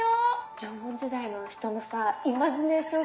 縄文時代の人のさぁイマジネーション